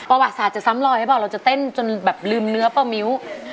ประวัติศาสตร์จะซ้ำรอยให้บอกเราจะเต้นจนแบบลืมเนื้อป่ะมิ้ว